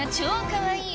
かわいい！